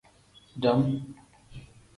Dam.